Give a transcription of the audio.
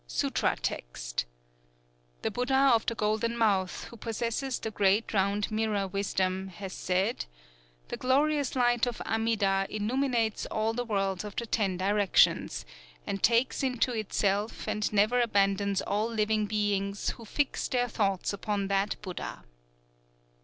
(Sutra text.) _The Buddha of the Golden Mouth, who possesses the Great Round Mirror Wisdom, has said: "The glorious light of Amida illuminates all the worlds of the Ten Directions, and takes into itself and never abandons all living beings who fix their thoughts upon that Buddha!"